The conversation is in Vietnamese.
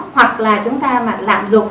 hoặc là chúng ta mà lạm dục